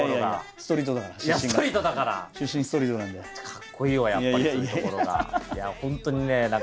かっこいいわやっぱそういうところが。